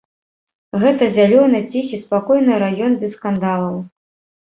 Гэта зялёны, ціхі, спакойны раён без скандалаў.